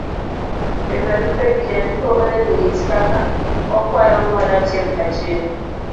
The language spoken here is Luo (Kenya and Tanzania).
e barupe gi, jandiko onego nyis kaka okwayo ng'uono achiel ka chiel,